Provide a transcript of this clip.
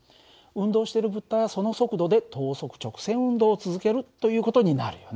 運動している物体はその速度で等速直線運動を続けるという事になるよね。